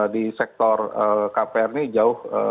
di sektor kpr ini jauh